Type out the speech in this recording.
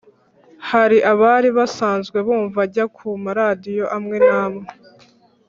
Hari abari basanzwe bumva ajya ku maradiyo amwe n'amwe